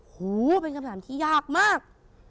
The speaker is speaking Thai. โหเป็นคำถามที่ยากมาก